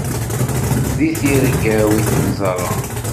Di tirga-w i ten-ẓerreɣ.